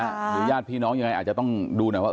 หรือญาติพี่น้องยังไงอาจจะต้องดูหน่อยว่า